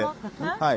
はい。